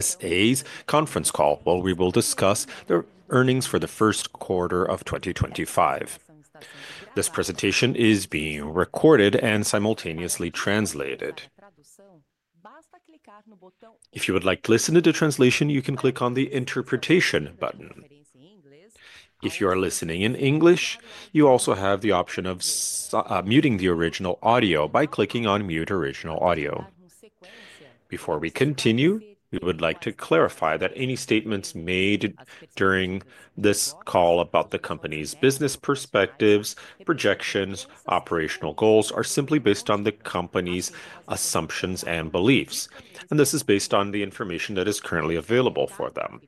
This is a conference call, while we will discuss the earnings for the first quarter of 2025. This presentation is being recorded and simultaneously translated. If you would like to listen to the translation, you can click on the Interpretation button. If you are listening in English, you also have the option of muting the original audio by clicking on Mute Original Audio. Before we continue, we would like to clarify that any statements made during this call about the company's business perspectives, projections, and operational goals are simply based on the company's assumptions and beliefs, and this is based on the information that is currently available for them.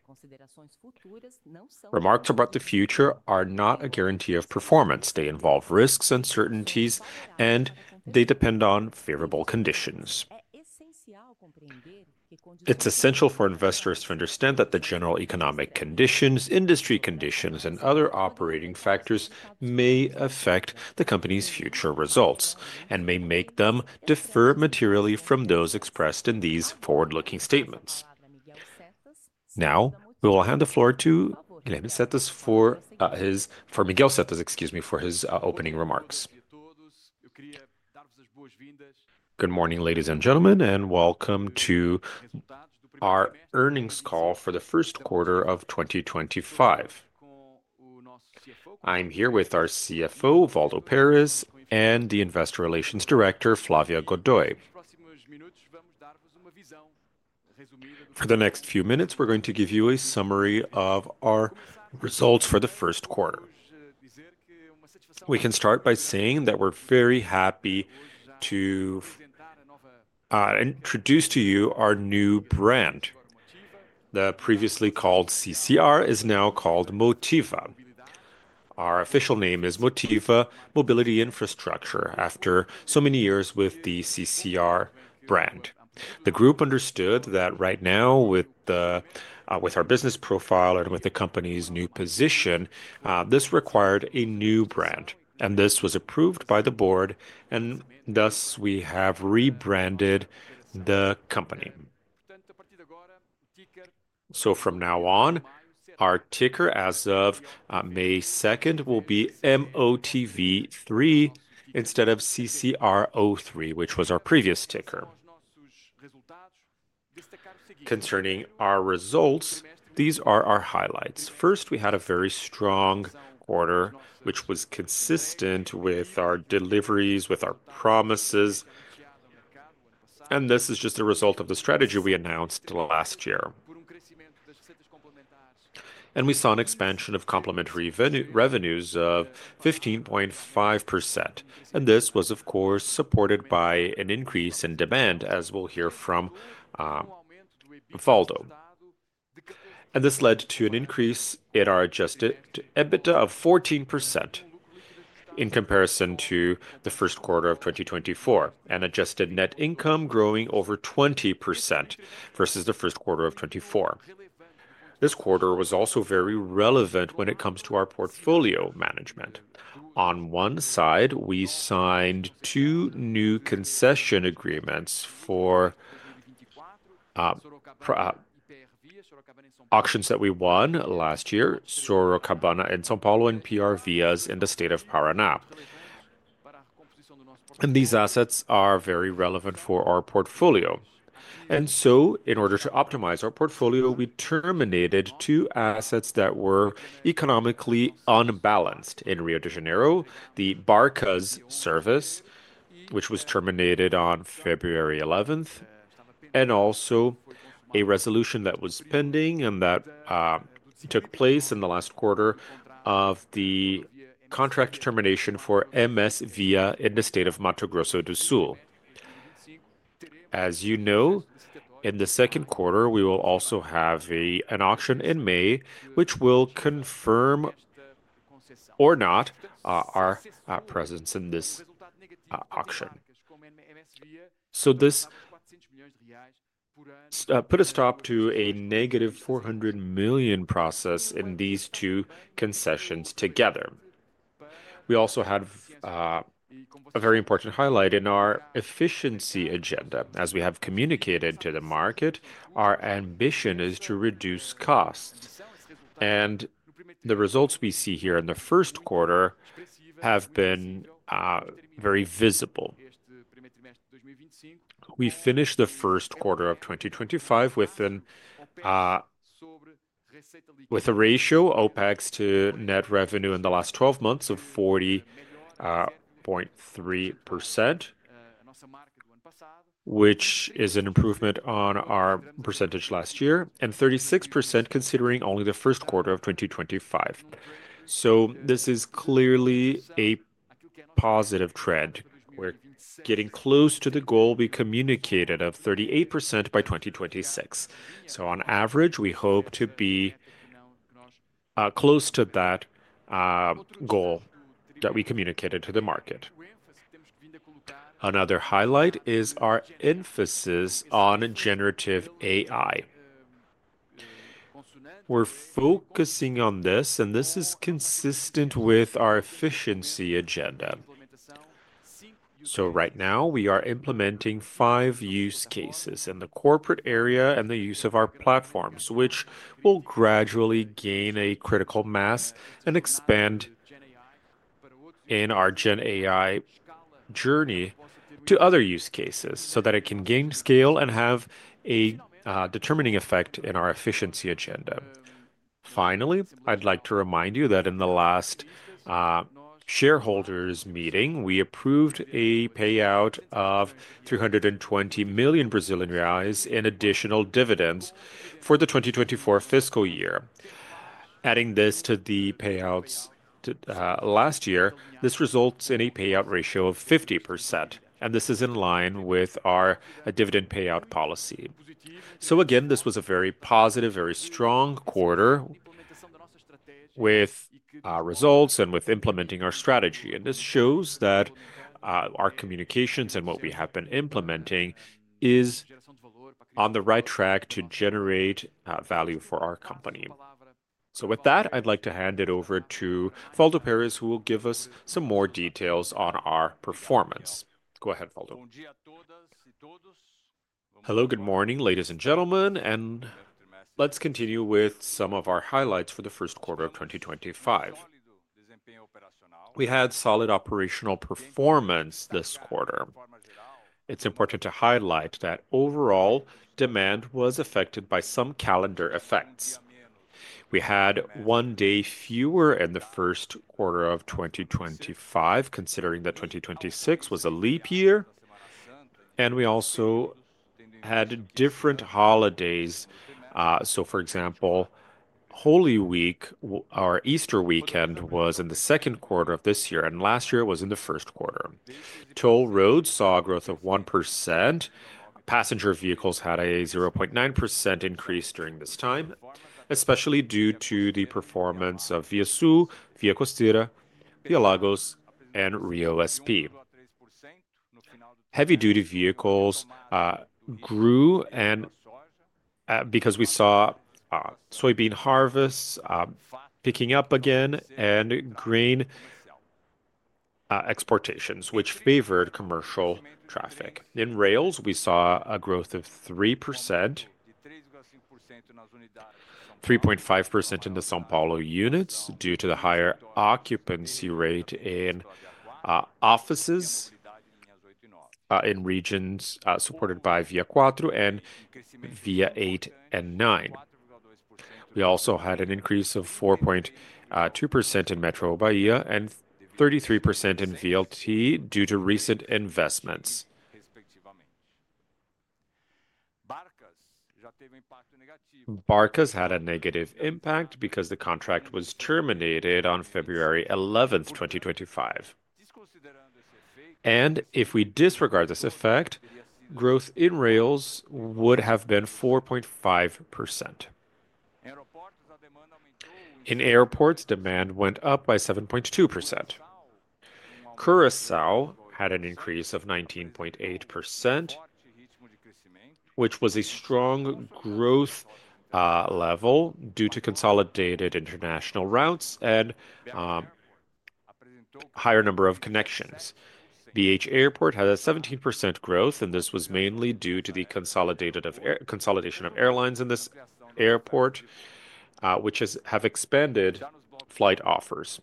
Remarks about the future are not a guarantee of performance. They involve risks, uncertainties, and they depend on favorable conditions. It's essential for investors to understand that the general economic conditions, industry conditions, and other operating factors may affect the company's future results and may make them differ materially from those expressed in these forward-looking statements. Now, we will hand the floor to Miguel Settas for his opening remarks. Good morning, ladies and gentlemen, and welcome to our earnings call for the first quarter of 2025. I am here with our CFO, Waldo Perez, and the Investor Relations Director, Flávia Godoy. For the next few minutes, we're going to give you a summary of our results for the first quarter. We can start by saying that we're very happy to introduce to you our new brand. The previously called CCR is now called Motiva. Our official name is Motiva Infraestrutura de Mobilidade, after so many years with the CCR brand. The group understood that right now, with our business profile and with the company's new position, this required a new brand, and this was approved by the board, and thus we have rebranded the company. From now on, our ticker as of May 2 will be MOTV3 instead of CCRO3, which was our previous ticker. Concerning our results, these are our highlights. First, we had a very strong quarter, which was consistent with our deliveries, with our promises, and this is just a result of the strategy we announced last year. We saw an expansion of complementary revenues of 15.5%, and this was, of course, supported by an increase in demand, as we'll hear from Waldo. This led to an increase in our adjusted EBITDA of 14% in comparison to the first quarter of 2024, and adjusted net income growing over 20% versus the first quarter of 2024. This quarter was also very relevant when it comes to our portfolio management. On one side, we signed two new concession agreements for auctions that we won last year: Rota Sorocabana in São Paulo and PR Vias in the state of Paraná. These assets are very relevant for our portfolio. In order to optimize our portfolio, we terminated two assets that were economically unbalanced in Rio de Janeiro: the Barcas service, which was terminated on February 11th, and also a resolution that was pending and that took place in the last quarter of the contract termination for MS Via in the state of Mato Grosso do Sul. As you know, in the second quarter, we will also have an auction in May, which will confirm or not our presence in this auction. This put a stop to a negative 400 million process in these two concessions together. We also have a very important highlight in our efficiency agenda. As we have communicated to the market, our ambition is to reduce costs, and the results we see here in the first quarter have been very visible. We finished the first quarter of 2025 with a ratio OPEX to net revenue in the last 12 months of 40.3%, which is an improvement on our percentage last year, and 36% considering only the first quarter of 2025. This is clearly a positive trend. We're getting close to the goal we communicated of 38% by 2026. On average, we hope to be close to that goal that we communicated to the market. Another highlight is our emphasis on generative AI. We're focusing on this, and this is consistent with our efficiency agenda. Right now, we are implementing five use cases in the corporate area and the use of our platforms, which will gradually gain a critical mass and expand in our GenAI journey to other use cases so that it can gain scale and have a determining effect in our efficiency agenda. Finally, I'd like to remind you that in the last shareholders' meeting, we approved a payout of 320 million Brazilian reais in additional dividends for the 2024 fiscal year. Adding this to the payouts last year, this results in a payout ratio of 50%, and this is in line with our dividend payout policy. Again, this was a very positive, very strong quarter with results and with implementing our strategy. This shows that our communications and what we have been implementing is on the right track to generate value for our company. With that, I'd like to hand it over to Waldo Perez, who will give us some more details on our performance. Go ahead, Waldo. Hello, good morning, ladies and gentlemen, and let's continue with some of our highlights for the first quarter of 2025. We had solid operational performance this quarter. It's important to highlight that overall demand was affected by some calendar effects. We had one day fewer in the first quarter of 2025, considering that 2024 was a leap year, and we also had different holidays. For example, Holy Week, our Easter weekend, was in the second quarter of this year, and last year it was in the first quarter. Toll roads saw a growth of 1%. Passenger vehicles had a 0.9% increase during this time, especially due to the performance of Via Sul, Via Costeira, Via Lagos, and Rio SP. Heavy-duty vehicles grew because we saw soybean harvests picking up again and grain exportations, which favored commercial traffic. In rails, we saw a growth of 3%, 3.5% in the São Paulo units due to the higher occupancy rate in offices in regions supported by Via 4 and Via 8 and 9. We also had an increase of 4.2% in Metro Bahia and 33% in VLT due to recent investments. Barcas had a negative impact because the contract was terminated on February 11, 2025. If we disregard this effect, growth in rails would have been 4.5%. In airports, demand went up by 7.2%. Curaçao had an increase of 19.8%, which was a strong growth level due to consolidated international routes and a higher number of connections. BH Airport had a 17% growth, and this was mainly due to the consolidation of airlines in this airport, which have expanded flight offers.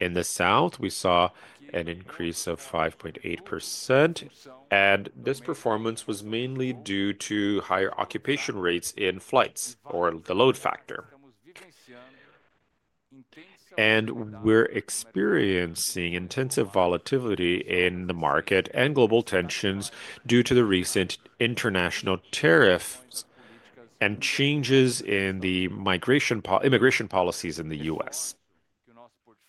In the south, we saw an increase of 5.8%, and this performance was mainly due to higher occupation rates in flights or the load factor. We are experiencing intensive volatility in the market and global tensions due to the recent international tariffs and changes in the immigration policies in the U.S.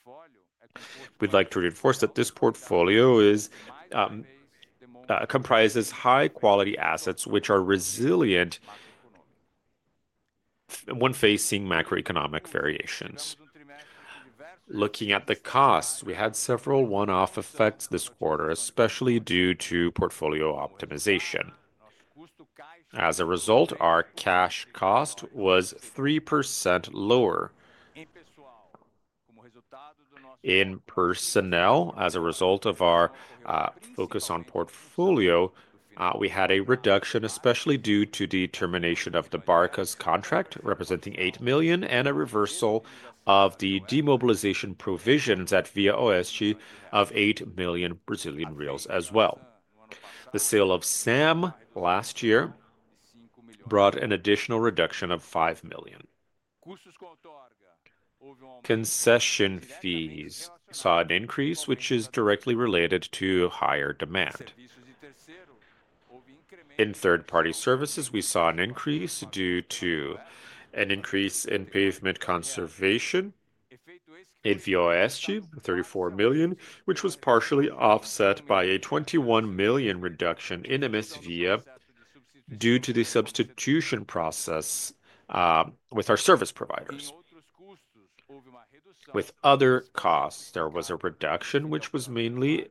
We would like to reinforce that this portfolio comprises high-quality assets which are resilient when facing macroeconomic variations. Looking at the costs, we had several one-off effects this quarter, especially due to portfolio optimization. As a result, our cash cost was 3% lower. In personnel, as a result of our focus on portfolio, we had a reduction, especially due to the termination of the Barcas contract representing 8 million and a reversal of the demobilization provisions at Via OSG of 8 million Brazilian reais as well. The sale of SAM last year brought an additional reduction of 5 million. Concession fees saw an increase, which is directly related to higher demand. In third-party services, we saw an increase due to an increase in pavement conservation in Via OSG, 34 million, which was partially offset by a 21 million reduction in MS Via due to the substitution process with our service providers. With other costs, there was a reduction, which was mainly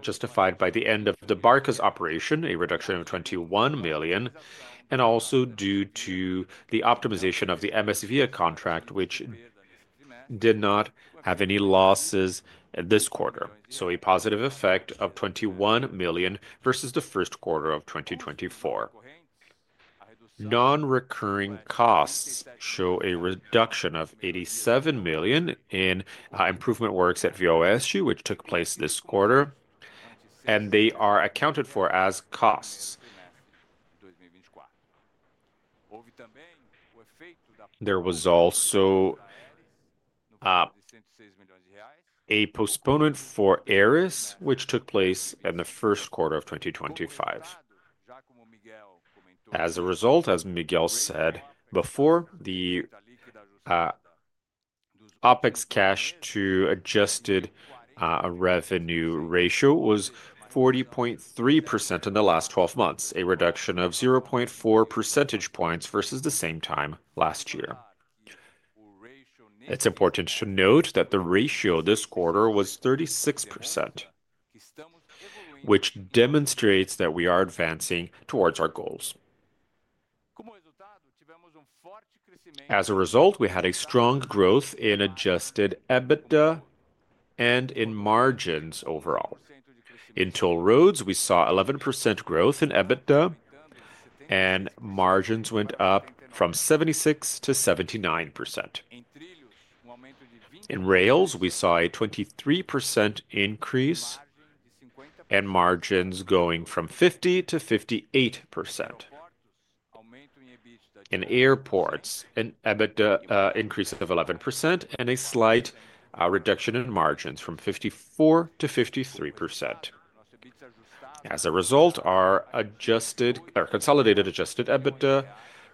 justified by the end of the Barcas operation, a reduction of 21 million, and also due to the optimization of the MS Via contract, which did not have any losses this quarter. So a positive effect of 21 million versus the first quarter of 2024. Non-recurring costs show a reduction of 87 million in improvement works at Via OSG, which took place this quarter, and they are accounted for as costs. There was also a postponement for ARIS, which took place in the first quarter of 2025. As a result, as Miguel said before, the OPEX cash-to-adjusted revenue ratio was 40.3% in the last 12 months, a reduction of 0.4 percentage points versus the same time last year. It's important to note that the ratio this quarter was 36%, which demonstrates that we are advancing towards our goals. As a result, we had a strong growth in adjusted EBITDA and in margins overall. In toll roads, we saw 11% growth in EBITDA, and margins went up from 76% to 79%. In rails, we saw a 23% increase in margins going from 50% to 58%. In airports, an EBITDA increase of 11% and a slight reduction in margins from 54% to 53%. As a result, our consolidated adjusted EBITDA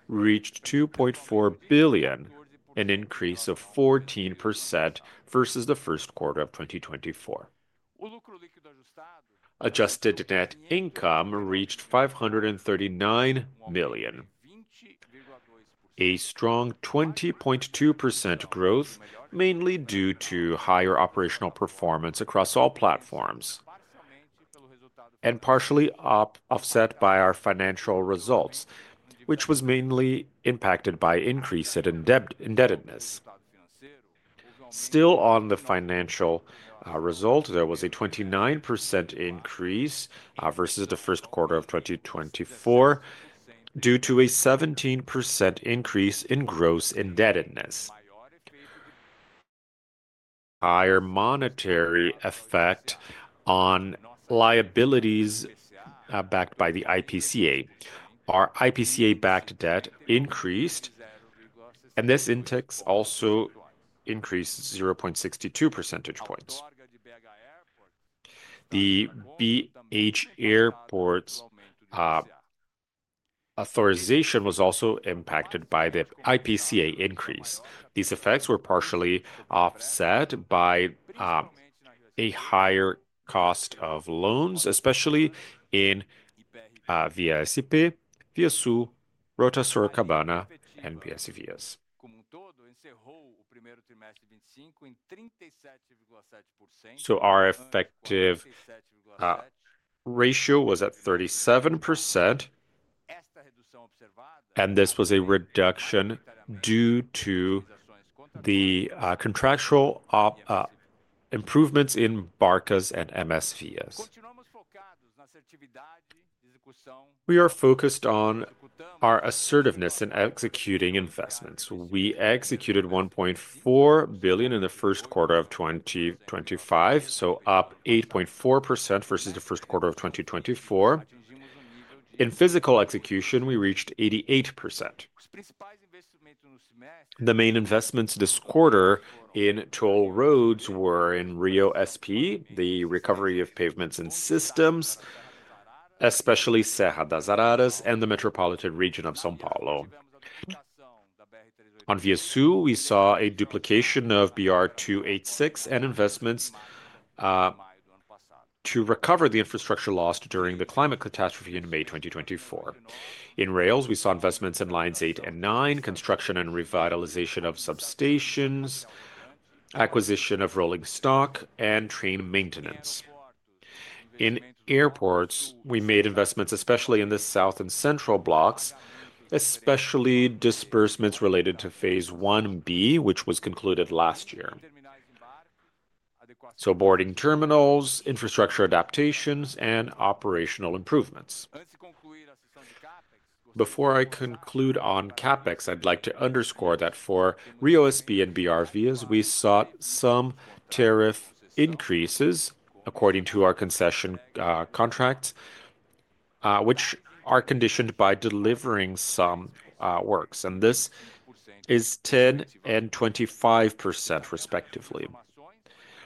reached 2.4 billion, an increase of 14% versus the first quarter of 2024. Adjusted net income reached 539 million, a strong 20.2% growth mainly due to higher operational performance across all platforms and partially offset by our financial results, which was mainly impacted by increased indebtedness. Still on the financial result, there was a 29% increase versus the first quarter of 2024 due to a 17% increase in gross indebtedness. Higher monetary effect on liabilities backed by the IPCA. Our IPCA-backed debt increased, and this index also increased 0.62 percentage points. The BH Airport's authorization was also impacted by the IPCA increase. These effects were partially offset by a higher cost of loans, especially in Via SP, Via Sul, Rota Sorocabana, and Via Sivias. Our effective ratio was at 37%, and this was a reduction due to the contractual improvements in Barcas and MS Via. We are focused on our assertiveness in executing investments. We executed 1.4 billion in the first quarter of 2025, up 8.4% versus the first quarter of 2024. In physical execution, we reached 88%. The main investments this quarter in toll roads were in Rio SP, the recovery of pavements and systems, especially Serra das Araras and the metropolitan region of São Paulo. On Via Sul, we saw a duplication of BR 286 and investments to recover the infrastructure lost during the climate catastrophe in May 2024. In rails, we saw investments in lines 8 and 9, construction and revitalization of substations, acquisition of rolling stock, and train maintenance. In airports, we made investments, especially in the south and central blocks, especially disbursements related to phase 1B, which was concluded last year. Boarding terminals, infrastructure adaptations, and operational improvements. Before I conclude on CapEx, I'd like to underscore that for Rio SP and BR VIAS, we sought some tariff increases according to our concession contracts, which are conditioned by delivering some works, and this is 10% and 25%, respectively.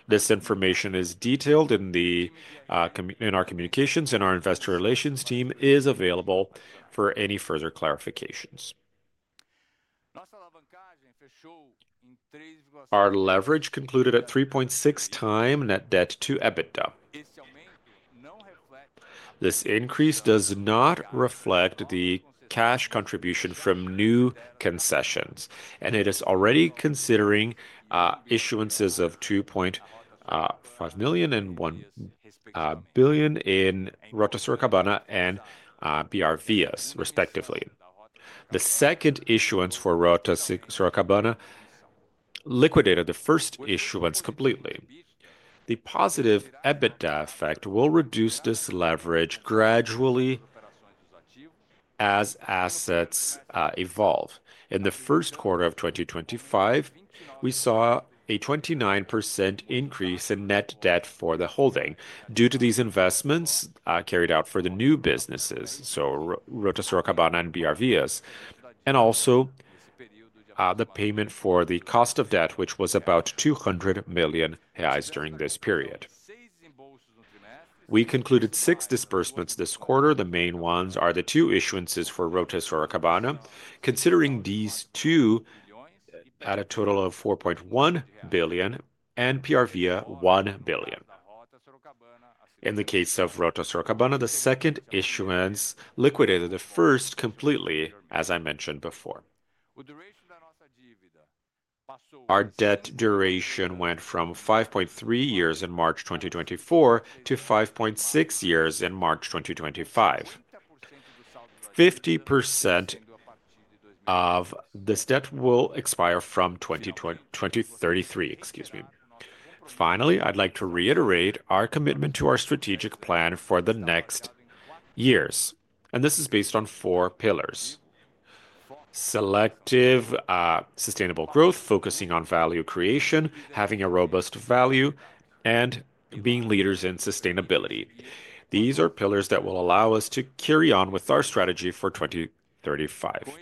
This information is detailed in our communications, and our investor relations team is available for any further clarifications. Our leverage concluded at 3.6%. Time Nt Debt to EBITDA. This increase does not reflect the cash contribution from new concessions, and it is already considering issuances of 2.5 million and 1 billion in Rota Sorocabana and BR VIAS, respectively. The second issuance for Rota Sorocabana liquidated the first issuance completely. The positive EBITDA effect will reduce this leverage gradually as assets evolve. In the first quarter of 2025, we saw a 29% increase in Net Debt for the holding due to these investments carried out for the new businesses, so Rota Sorocabana and BR VIAS, and also the payment for the cost of debt, which was about 200 million reais during this period. We concluded six disbursements this quarter. The main ones are the two issuances for Rota Sorocabana. Considering these two, at a total of 4.1 billion and PR Vias 1 billion. In the case of Rota Sorocabana, the second issuance liquidated the first completely, as I mentioned before. Our debt duration went from 5.3 years in March 2024 to 5.6 years in March 2025. 50% of this debt will expire from 2033. Finally, I'd like to reiterate our commitment to our strategic plan for the next years, and this is based on four pillars: selective sustainable growth, focusing on value creation, having a robust value, and being leaders in sustainability. These are pillars that will allow us to carry on with our strategy for 2035.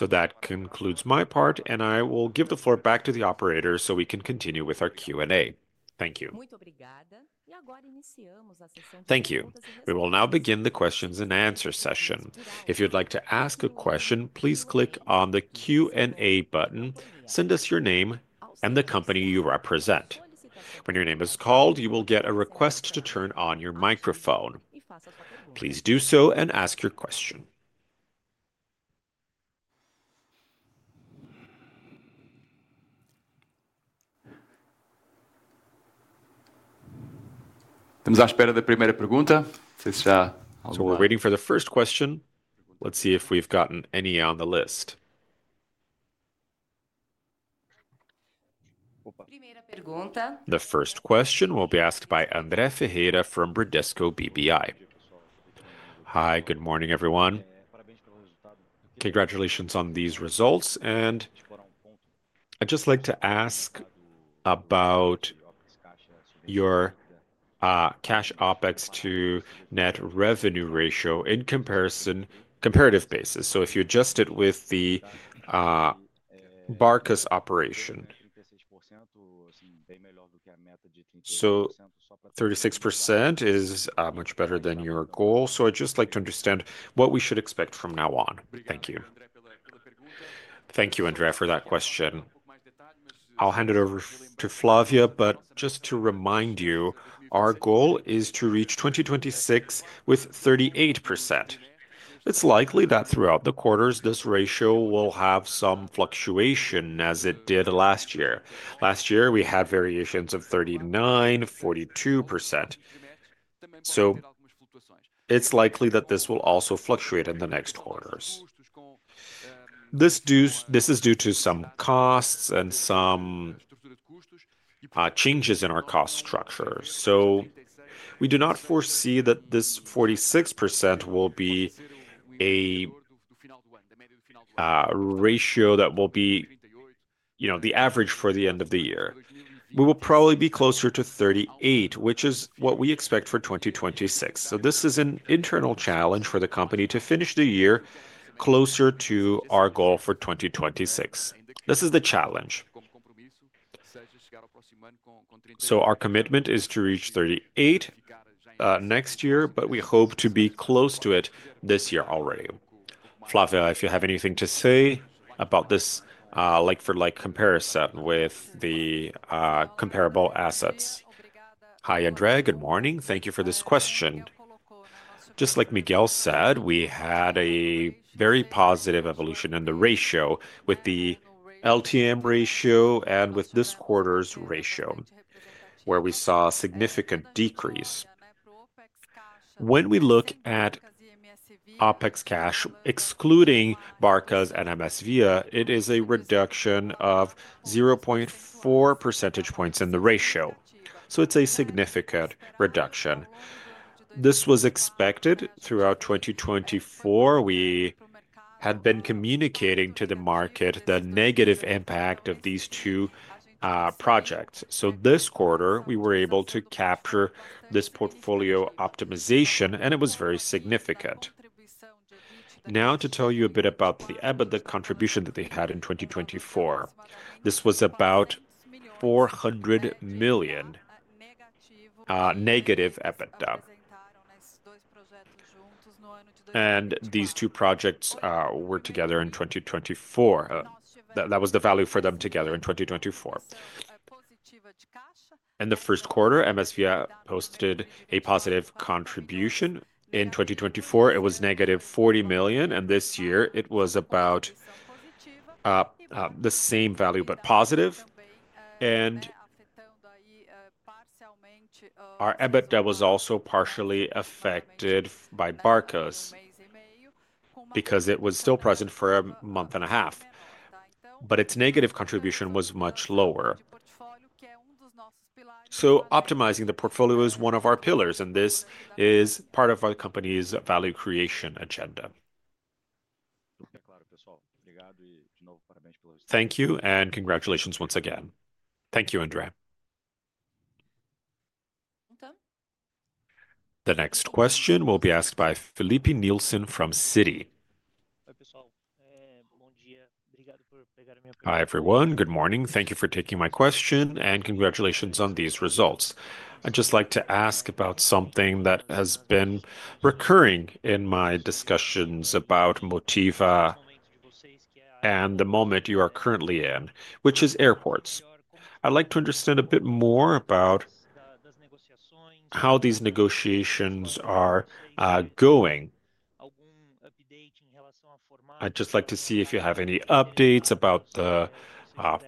That concludes my part, and I will give the floor back to the operators so we can continue with our Q&A. Thank you. We will now begin the questions and answers session. If you'd like to ask a question, please click on the Q&A button, send us your name and the company you represent. When your name is called, you will get a request to turn on your microphone. Please do so and ask your question. Vamos à espera da primeira pergunta. We are waiting for the first question. Let's see if we've gotten any on the list. The first question will be asked by André Ferreira from Bradesco BBI. Hi, good morning everyone. Congratulations on these results, and I'd just like to ask about your cash OPEX to net revenue ratio in comparative basis. If you adjust it with the Barcas operation, 36% is much better than your goal. I'd just like to understand what we should expect from now on. Thank you. Thank you, André, for that question. I'll hand it over to Flávia, but just to remind you, our goal is to reach 2026 with 38%. It's likely that throughout the quarters, this ratio will have some fluctuation as it did last year. Last year, we had variations of 39%, 42%. It's likely that this will also fluctuate in the next quarters. This is due to some costs and some changes in our cost structure. We do not foresee that this 46% will be a ratio that will be the average for the end of the year. We will probably be closer to 38%, which is what we expect for 2026. This is an internal challenge for the company to finish the year closer to our goal for 2026. This is the challenge. Our commitment is to reach 38% next year, but we hope to be close to it this year already. Flávia, if you have anything to say about this like-for-like comparison with the comparable assets. Hi, André, good morning. Thank you for this question. Just like Miguel said, we had a very positive evolution in the ratio with the LTM ratio and with this quarter's ratio, where we saw a significant decrease. When we look at OPEX Cash, excluding Barcas and MS Via, it is a reduction of 0.4 percentage points in the ratio. It is a significant reduction. This was expected throughout 2024. We had been communicating to the market the negative impact of these two projects. This quarter, we were able to capture this portfolio optimization, and it was very significant. Now, to tell you a bit about the EBITDA contribution that they had in 2024. This was about 400 million negative EBITDA. These two projects were together in 2024. That was the value for them together in 2024. In the first quarter, MS Via posted a positive contribution. In 2024, it was negative 40 million, and this year it was about the same value but positive. Our EBITDA was also partially affected by Barcas because it was still present for a month and a half. Its negative contribution was much lower. Optimizing the portfolio is one of our pillars, and this is part of our company's value creation agenda. Thank you and congratulations once again. Thank you, André. The next question will be asked by Felipe Nielsen from Citi. Hi everyone. Good morning. Thank you for taking my question and congratulations on these results. I'd just like to ask about something that has been recurring in my discussions about Motiva and the moment you are currently in, which is airports. I'd like to understand a bit more about how these negotiations are going. I'd just like to see if you have any updates about the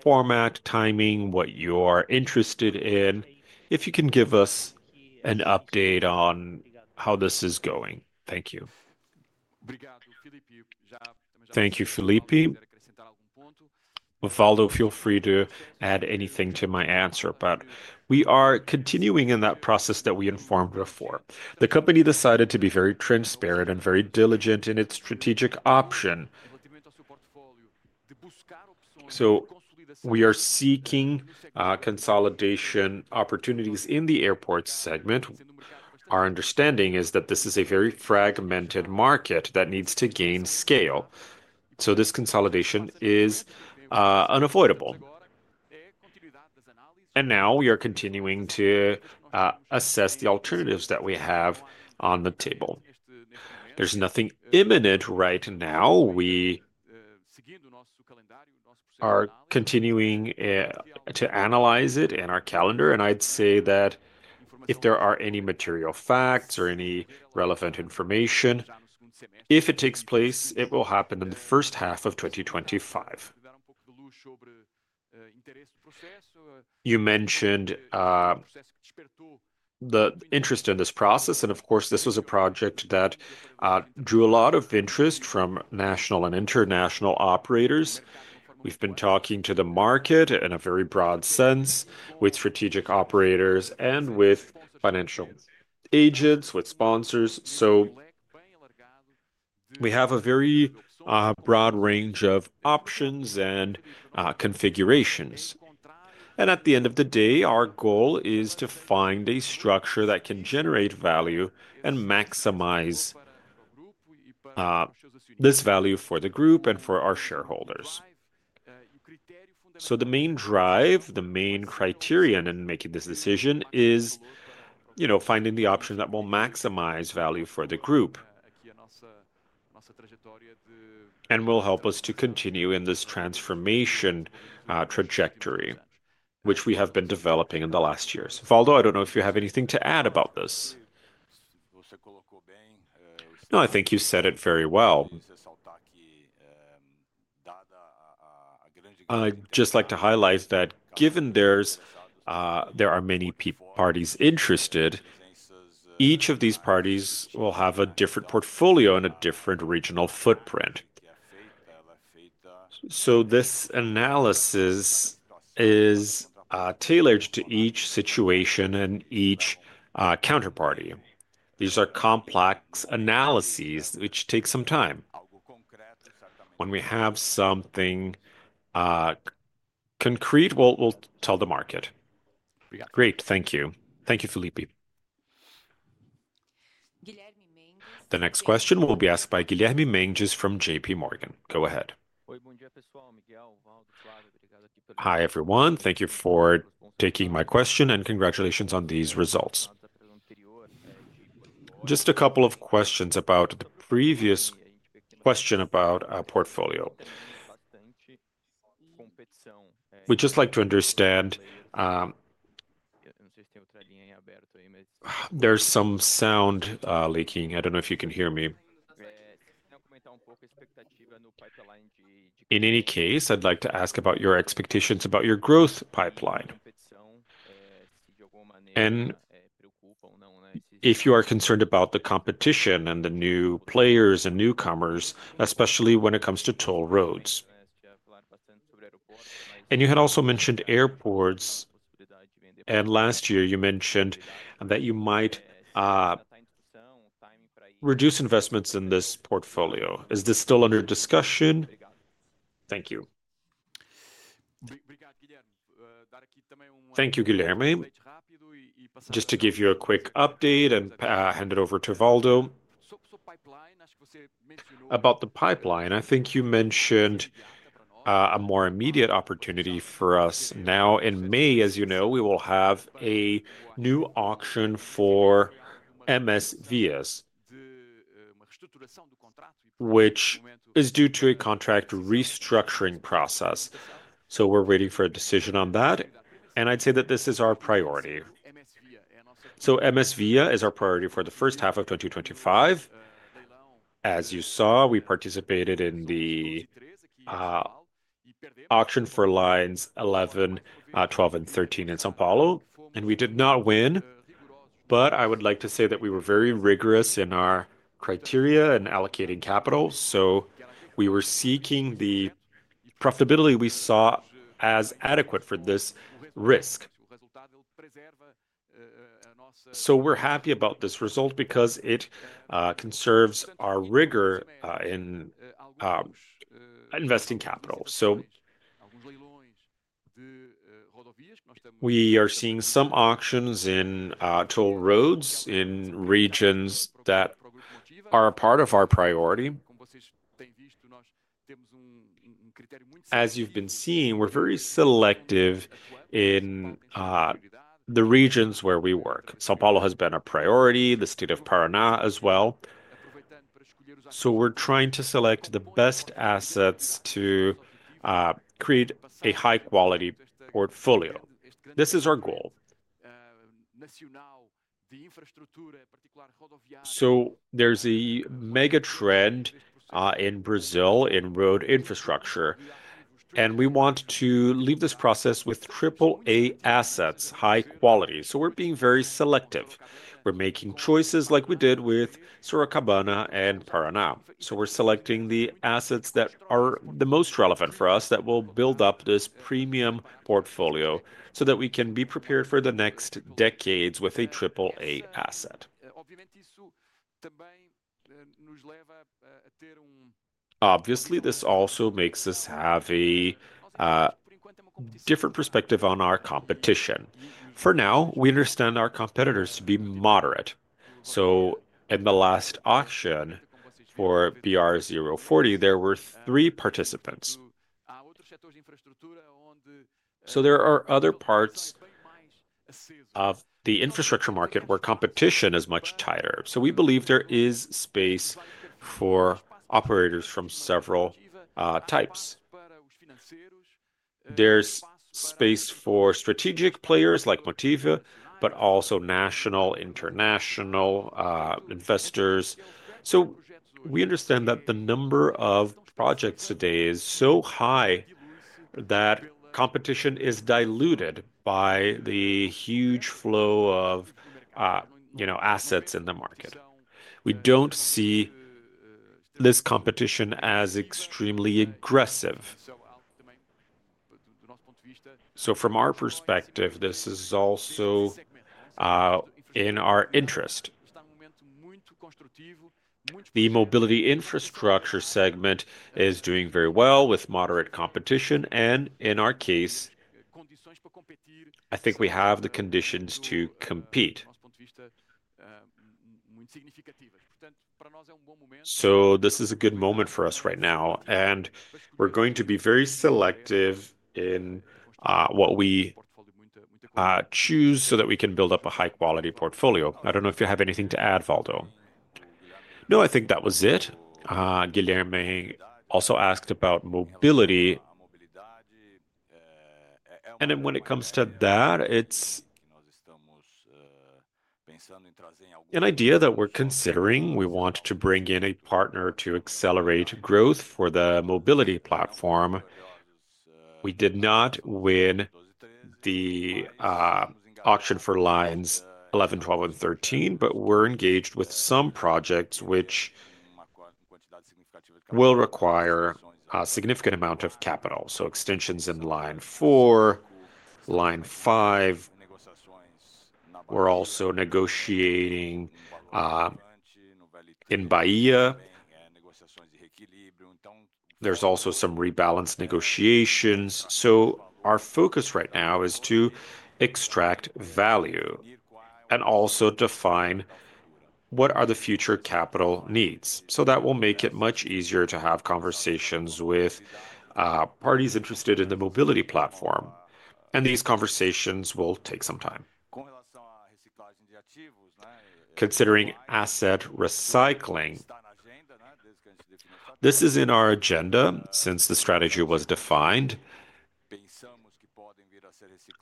format, timing, what you are interested in, if you can give us an update on how this is going. Thank you. Thank you, Felipe. Waldo, feel free to add anything to my answer, but we are continuing in that process that we informed before. The company decided to be very transparent and very diligent in its strategic option. So we are seeking consolidation opportunities in the airports segment. Our understanding is that this is a very fragmented market that needs to gain scale. So this consolidation is unavoidable. We are continuing to assess the alternatives that we have on the table. There is nothing imminent right now. We are continuing to analyze it in our calendar, and I would say that if there are any material facts or any relevant information, if it takes place, it will happen in the first half of 2025. You mentioned the interest in this process, and of course, this was a project that drew a lot of interest from national and international operators. We have been talking to the market in a very broad sense, with strategic operators and with financial agents, with sponsors. We have a very broad range of options and configurations. At the end of the day, our goal is to find a structure that can generate value and maximize this value for the group and for our shareholders. The main drive, the main criterion in making this decision is finding the option that will maximize value for the group and will help us to continue in this transformation trajectory, which we have been developing in the last years. Waldo, I do not know if you have anything to add about this. No, I think you said it very well. I would just like to highlight that given there are many parties interested, each of these parties will have a different portfolio and a different regional footprint. This analysis is tailored to each situation and each counterparty. These are complex analyses, which take some time. When we have something concrete, we will tell the market. Great. Thank you. Thank you, Felipe. The next question will be asked by Guilherme Mendes from JP Morgan. Go ahead. Hi everyone. Thank you for taking my question and congratulations on these results. Just a couple of questions about the previous question about a portfolio. We'd just like to understand. There's some sound leaking. I don't know if you can hear me. In any case, I'd like to ask about your expectations about your growth pipeline. If you are concerned about the competition and the new players and newcomers, especially when it comes to toll roads. You had also mentioned airports. Last year, you mentioned that you might reduce investments in this portfolio. Is this still under discussion? Thank you. Thank you, Guilherme. Just to give you a quick update and hand it over to Waldo. About the pipeline, I think you mentioned a more immediate opportunity for us now in May. As you know, we will have a new auction for MS Via, which is due to a contract restructuring process. We are waiting for a decision on that. I'd say that this is our priority. MS Via is our priority for the first half of 2025. As you saw, we participated in the auction for lines 11, 12, and 13 in São Paulo. We did not win, but I would like to say that we were very rigorous in our criteria in allocating capital. We were seeking the profitability we saw as adequate for this risk. We're happy about this result because it conserves our rigor in investing capital. We are seeing some auctions in toll roads in regions that are a part of our priority. As you've been seeing, we're very selective in the regions where we work. São Paulo has been a priority, the state of Paraná as well. We're trying to select the best assets to create a high-quality portfolio. This is our goal. There's a mega trend in Brazil in road infrastructure. We want to leave this process with AAA assets, high quality. We're being very selective. We're making choices like we did with Sorocabana and Paraná. We're selecting the assets that are the most relevant for us that will build up this premium portfolio so that we can be prepared for the next decades with a AAA asset. Obviously, this also makes us have a different perspective on our competition. For now, we understand our competitors to be moderate. In the last auction for BR040, there were three participants. There are other parts of the infrastructure market where competition is much tighter. We believe there is space for operators from several types. There's space for strategic players like Motiva, but also national, international investors. We understand that the number of projects today is so high that competition is diluted by the huge flow of assets in the market. We do not see this competition as extremely aggressive. From our perspective, this is also in our interest. The mobility infrastructure segment is doing very well with moderate competition. In our case, I think we have the conditions to compete. This is a good moment for us right now. We are going to be very selective in what we choose so that we can build up a high-quality portfolio. I do not know if you have anything to add, Wldo. No, I think that was it. Guilherme also asked about mobility. When it comes to that, it is an idea that we are considering. We want to bring in a partner to accelerate growth for the mobility platform. We did not win the auction for lines 11, 12, and 13, but we're engaged with some projects which will require a significant amount of capital. Extensions in line 4, line 5. We're also negotiating in Bahia. There are also some rebalance negotiations. Our focus right now is to extract value and also define what are the future capital needs. That will make it much easier to have conversations with parties interested in the mobility platform. These conversations will take some time. Considering asset recycling, this is in our agenda since the strategy was defined.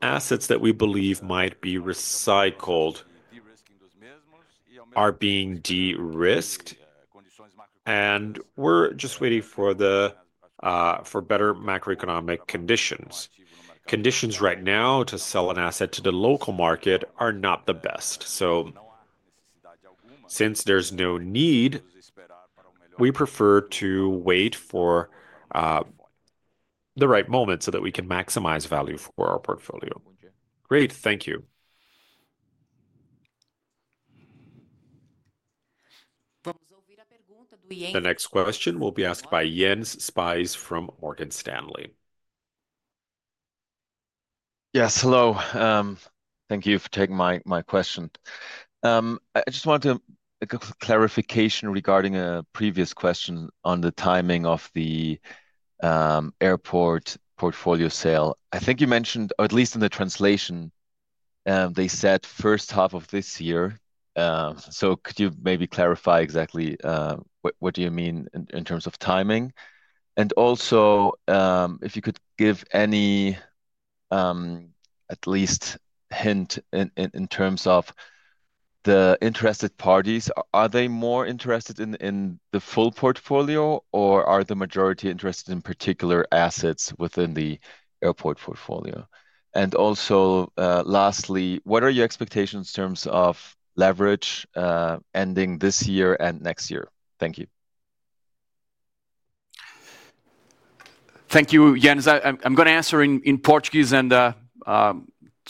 Assets that we believe might be recycled are being de-risked. We're just waiting for better macroeconomic conditions. Conditions right now to sell an asset to the local market are not the best. Since there's no need, we prefer to wait for the right moment so that we can maximize value for our portfolio. Great. Thank you. The next question will be asked by Jens Spiess from Morgan Stanley. Yes, hello. Thank you for taking my question. I just wanted a clarification regarding a previous question on the timing of the airport portfolio sale. I think you mentioned, or at least in the translation, they said first half of this year. Could you maybe clarify exactly what you mean in terms of timing? Also, if you could give any at least hint in terms of the interested parties, are they more interested in the full portfolio or are the majority interested in particular assets within the airport portfolio? Also, lastly, what are your expectations in terms of leverage ending this year and next year? Thank you. Thank you, Jens. I'm going to answer in Portuguese and,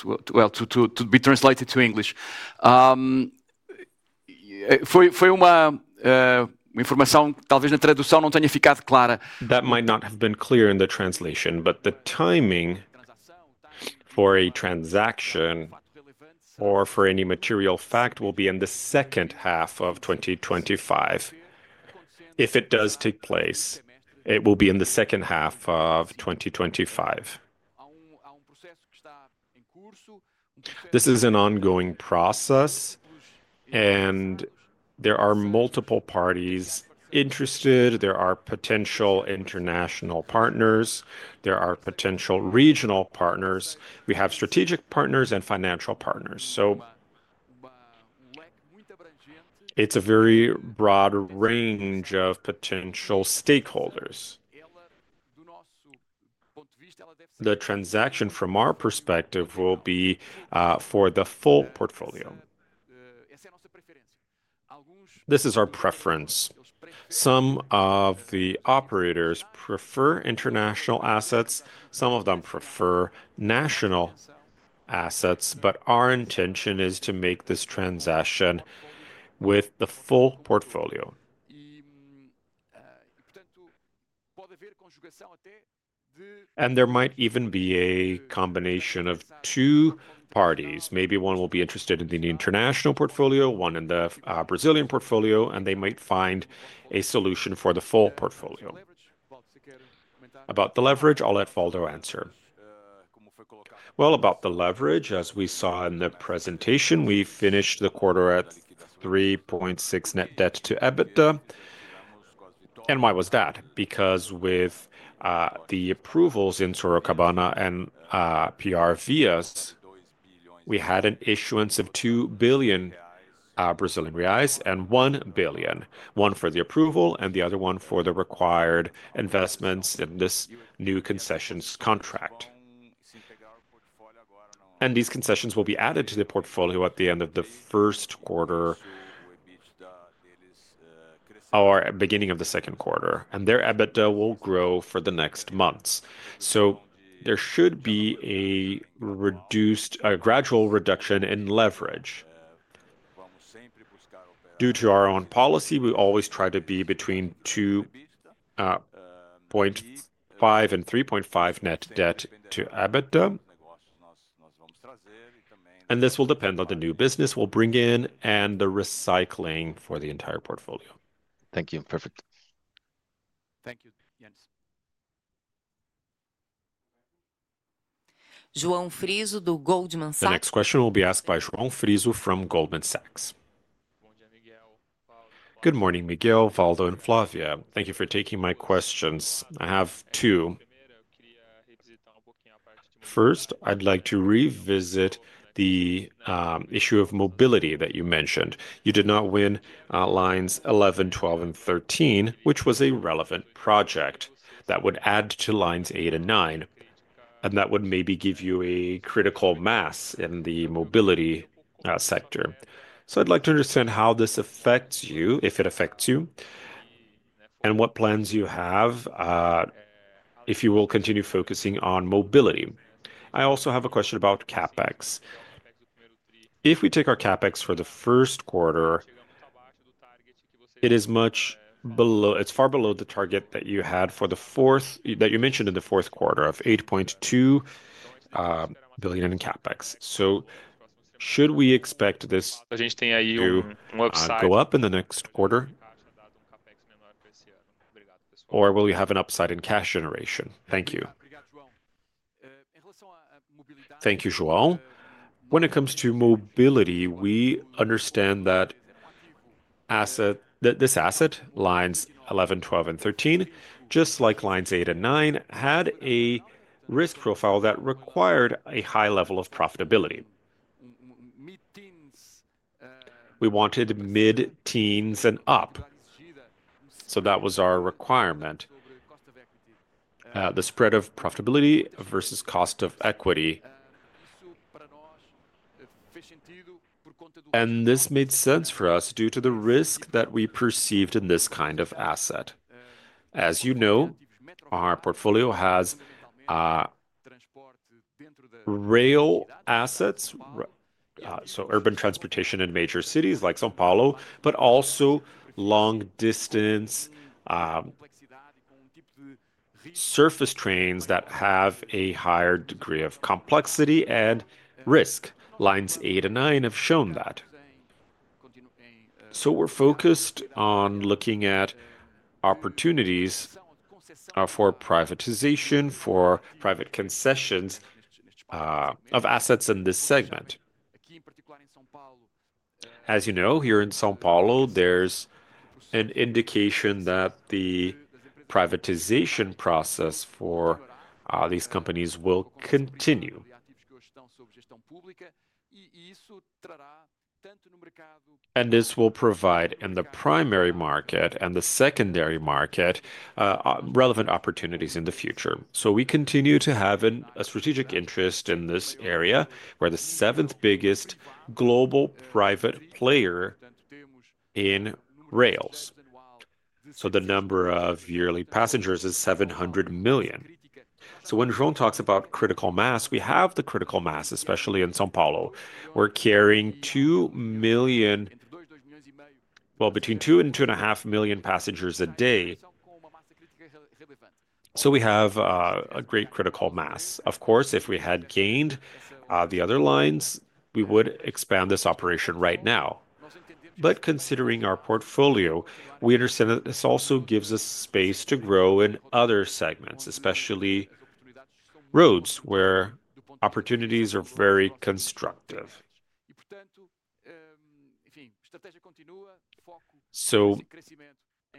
well, to be translated to English. Foi uma informação, talvez na tradução não tenha ficado clara. That might not have been clear in the translation, but the timing for a transaction or for any material fact will be in the second half of 2025. If it does take place, it will be in the second half of 2025. This is an ongoing process, and there are multiple parties interested. There are potential international partners. There are potential regional partners. We have strategic partners and financial partners. It is a very broad range of potential stakeholders. The transaction from our perspective will be for the full portfolio. This is our preference. Some of the operators prefer international assets. Some of them prefer national assets, but our intention is to make this transaction with the full portfolio. There might even be a combination of two parties. Maybe one will be interested in the international portfolio, one in the Brazilian portfolio, and they might find a solution for the full portfolio. About the leverage, I will let Waldo answer. About the leverage, as we saw in the presentation, we finished the quarter at 3.6 Nt Debt to EBITDA. Why was that? With the approvals in Rota Sorocabana and PR Vias, we had an issuance of 2 billion Brazilian reais and 1 billion, one for the approval and the other one for the required investments in this new concessions contract. These concessions will be added to the portfolio at the end of the first quarter or beginning of the second quarter. Their EBITDA will grow for the next months. There should be a gradual reduction in leverage. Due to our own policy, we always try to be between 2.5 and 3.5 Net Debt to EBITDA. This will depend on the new business we will bring in and the recycling for the entire portfolio. Thank you. Perfect. Thank you, Jens. João Friso from Goldman Sachs. The next question will be asked by João Friso from Goldman Sachs. Good morning, Miguel, Waldo, and Flávia. Thank you for taking my questions. I have two. First, I would like to revisit the issue of mobility that you mentioned. You did not win lines 11, 12, and 13, which was a relevant project. That would add to lines 8 and 9, and that would maybe give you a critical mass in the mobility sector. I would like to understand how this affects you, if it affects you, and what plans you have if you will continue focusing on mobility. I also have a question about CapEx. If we take our CapEx for the first quarter, it is much below, it is far below the target that you had for the fourth that you mentioned in the fourth quarter of 8.2 billion in CapEx. Should we expect this to go up in the next quarter? Will you have an upside in cash generation? Thank you. Thank you, João. When it comes to mobility, we understand that this asset, lines 11, 12, and 13, just like lines 8 and 9, had a risk profile that required a high level of profitability. We wanted mid-teens and up. That was our requirement. The spread of profitability versus cost of equity. This made sense for us due to the risk that we perceived in this kind of asset. As you know, our portfolio has rail assets, so urban transportation in major cities like São Paulo, but also long-distance surface trains that have a higher degree of complexity and risk. Lines 8 and 9 have shown that. We are focused on looking at opportunities for privatization, for private concessions of assets in this segment. As you know, here in São Paulo, there is an indication that the privatization process for these companies will continue. This will provide in the primary market and the secondary market relevant opportunities in the future. We continue to have a strategic interest in this area where we are the seventh biggest global private player in rails. The number of yearly passengers is 700 million. When João talks about critical mass, we have the critical mass, especially in São Paulo. We are carrying 2 million, well, between 2 and 2.5 million passengers a day. We have a great critical mass. Of course, if we had gained the other lines, we would expand this operation right now. But considering our portfolio, we understand that this also gives us space to grow in other segments, especially roads, where opportunities are very constructive.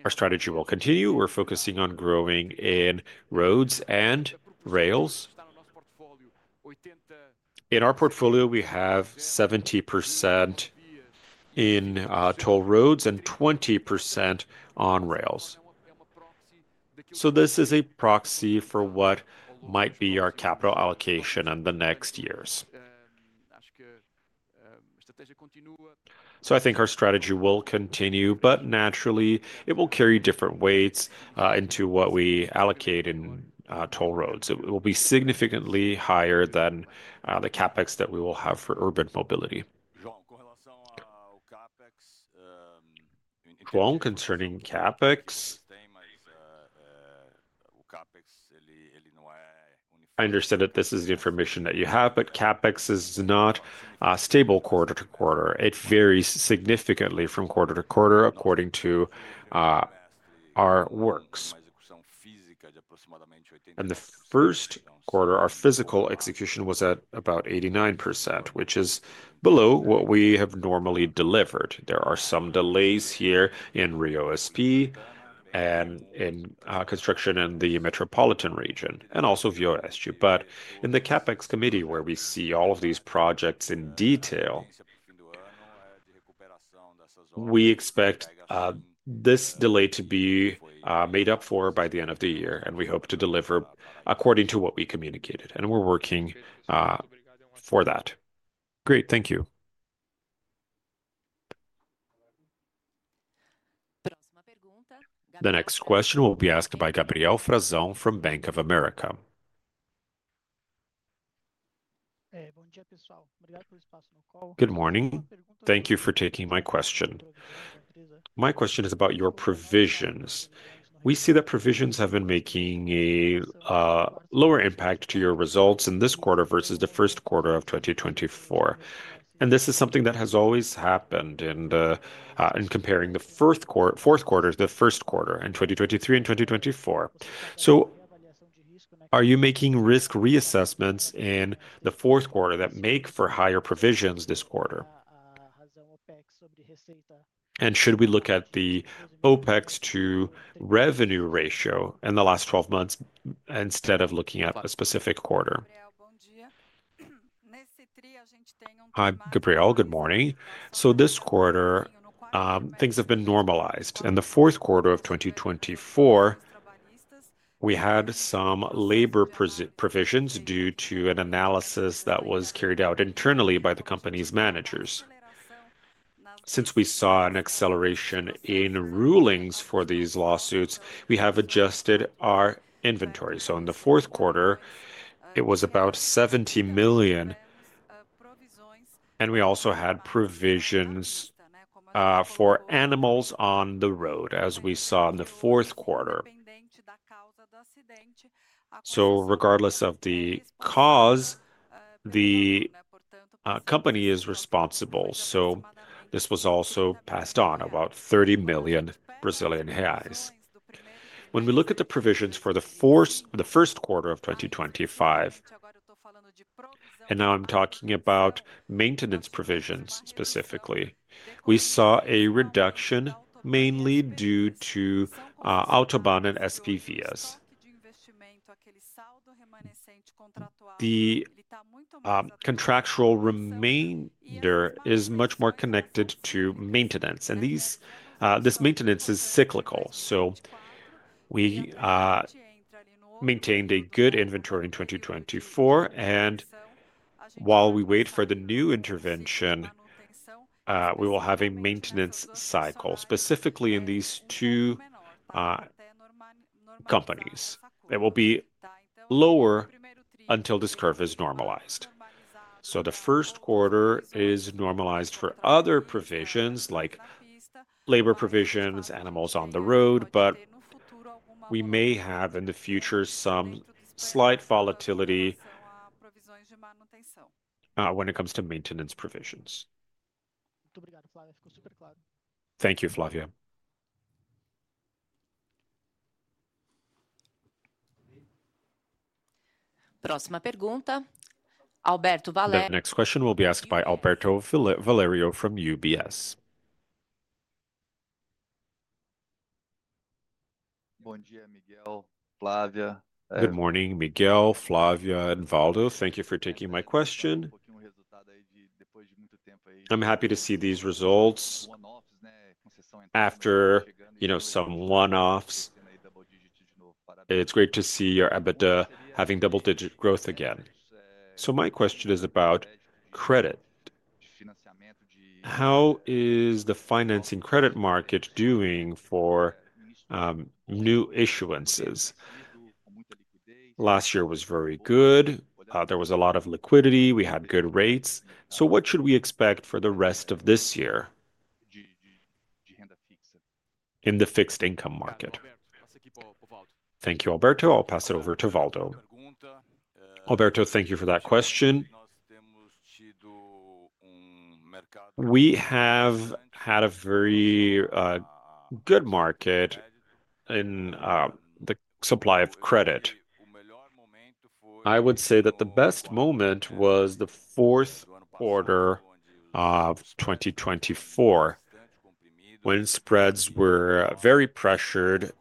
Our strategy will continue. We're focusing on growing in roads and rails. In our portfolio, we have 70% in toll roads and 20% on rails. This is a proxy for what might be our capital allocation in the next years. I think our strategy will continue, but naturally, it will carry different weights into what we allocate in toll roads. It will be significantly higher than the CapEx that we will have for urban mobility. João, concerning CapEx, I understand that this is the information that you have, but CapEx is not stable quarter to quarter. It varies significantly from quarter to quarter according to our works. In the first quarter, our physical execution was at about 89%, which is below what we have normally delivered. There are some delays here in Rio SP and in construction in the metropolitan region, and also Via OSG. In the CapEx committee, where we see all of these projects in detail, we expect this delay to be made up for by the end of the year, and we hope to deliver according to what we communicated. We are working for that. Great. Thank you. The next question will be asked by Gabriel Frazão from Bank of America. Good morning. Thank you for taking my question. My question is about your provisions. We see that provisions have been making a lower impact to your results in this quarter versus the first quarter of 2024. This is something that has always happened in comparing the fourth quarter to the first quarter, in 2023 and 2024. Are you making risk reassessments in the fourth quarter that make for higher provisions this quarter? Should we look at the OPEX to revenue ratio in the last 12 months instead of looking at a specific quarter? Hi, Gabriel. Good morning. This quarter, things have been normalized. In the fourth quarter of 2024, we had some labor provisions due to an analysis that was carried out internally by the company's managers. Since we saw an acceleration in rulings for these lawsuits, we have adjusted our inventory. In the fourth quarter, it was about 70 million. We also had provisions for animals on the road, as we saw in the fourth quarter. Regardless of the cause, the company is responsible. This was also passed on, about 30 million Brazilian reais. When we look at the provisions for the first quarter of 2025, and now I'm talking about maintenance provisions specifically, we saw a reduction mainly due to AutoBahn and SPVS. The contractual remainder is much more connected to maintenance. This maintenance is cyclical. We maintained a good inventory in 2024. While we wait for the new intervention, we will have a maintenance cycle, specifically in these two companies. It will be lower until this curve is normalized. The first quarter is normalized for other provisions, like labor provisions, animals on the road, but we may have in the future some slight volatility when it comes to maintenance provisions. Thank you, Flávia. Próxima pergunta. Alberto Valerio. The next question will be asked by Alberto Valerio from UBS. Good morning, Miguel, Flávia, and Waldo. Thank you for taking my question. I'm happy to see these results after some one-offs. It's great to see your EBITDA having double-digit growth again. My question is about credit. How is the financing credit market doing for new issuances? Last year was very good. There was a lot of liquidity. We had good rates. What should we expect for the rest of this year in the fixed income market? Thank you, Alberto. I'll pass it over to Waldo. Alberto, thank you for that question. We have had a very good market in the supply of credit. I would say that the best moment was the fourth quarter of 2024, when spreads were very pressured,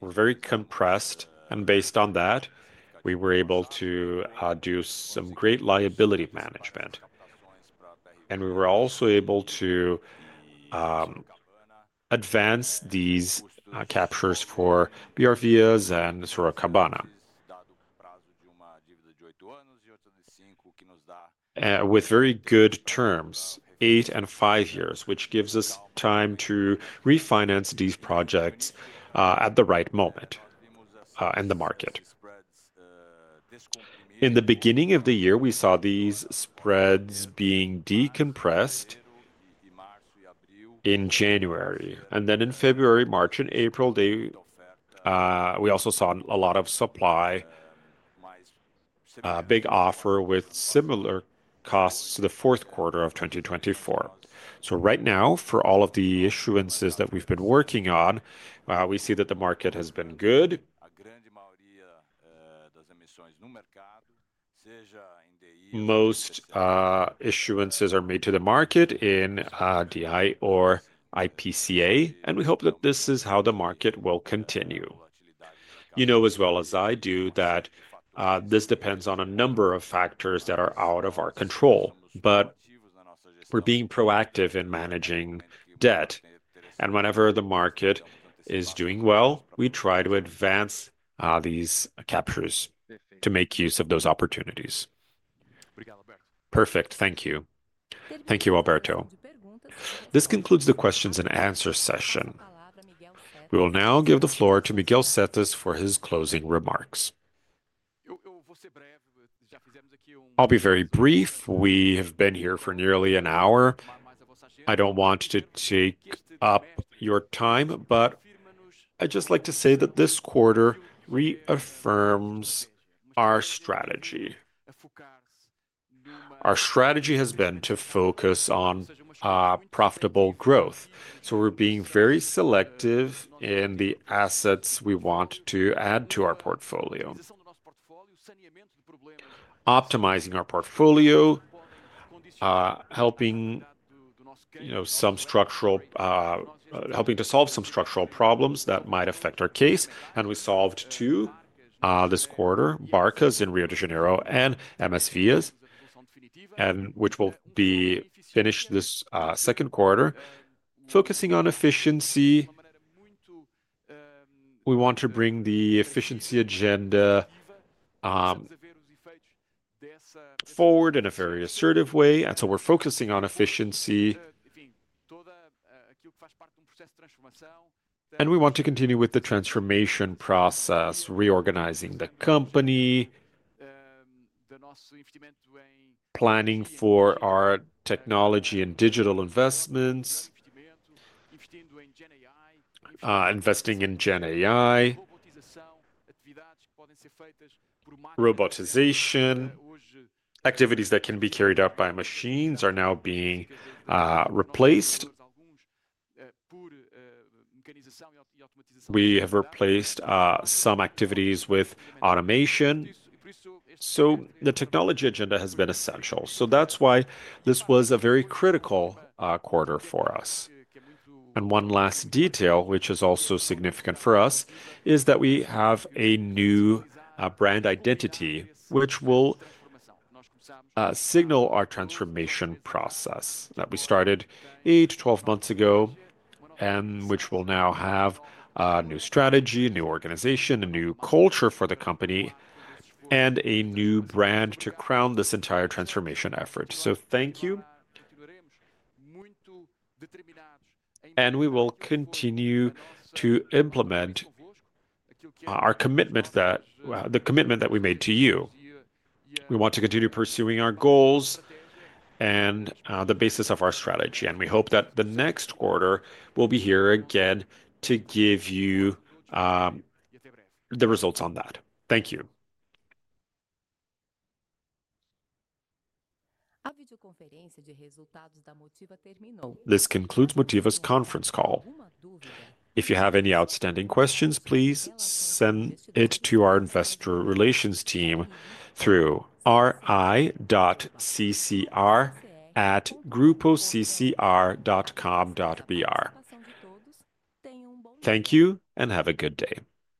were very compressed. Based on that, we were able to do some great liability management. We were also able to advance these captures for PR Vias and Sorocabana. With very good terms, eight and five years, which gives us time to refinance these projects at the right moment in the market. In the beginning of the year, we saw these spreads being decompressed in January. In February, March, and April, we also saw a lot of supply, big offer with similar costs to the fourth quarter of 2024. Right now, for all of the issuances that we've been working on, we see that the market has been good. Most issuances are made to the market in DI or IPCA. We hope that this is how the market will continue. You know as well as I do that this depends on a number of factors that are out of our control. We're being proactive in managing debt. Whenever the market is doing well, we try to advance these captures to make use of those opportunities. Perfect. Thank you. Thank you, Alberto. This concludes the questions and answers session. We will now give the floor to Miguel Settas for his closing remarks. I'll be very brief. We have been here for nearly an hour. I don't want to take up your time, but I'd just like to say that this quarter reaffirms our strategy. Our strategy has been to focus on profitable growth. We're being very selective in the assets we want to add to our portfolio, optimizing our portfolio, helping to solve some structural problems that might affect our case. We solved two this quarter: Barcas in Rio de Janeiro and MS Via, which will be finished this second quarter, focusing on efficiency. We want to bring the efficiency agenda forward in a very assertive way. We are focusing on efficiency. We want to continue with the transformation process, reorganizing the company, planning for our technology and digital investments, investing in GenAI, robotization. Activities that can be carried out by machines are now being replaced. We have replaced some activities with automation. The technology agenda has been essential. That is why this was a very critical quarter for us. One last detail, which is also significant for us, is that we have a new brand identity, which will signal our transformation process that we started 8 to 12 months ago, and which will now have a new strategy, new organization, a new culture for the company, and a new brand to crown this entire transformation effort. Thank you. We will continue to implement our commitment, the commitment that we made to you. We want to continue pursuing our goals and the basis of our strategy. We hope that the next quarter we will be here again to give you the results on that. Thank you. This concludes Motiva's conference call. If you have any outstanding questions, please send it to our investor relations team through ri.ccr@grupoccr.com.br. Thank you and have a good day.